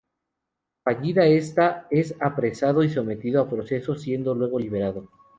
Fallida esta, es apresado y sometido a proceso, siendo luego liberado.